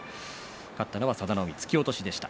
勝ったのは佐田の海で突き落としでした。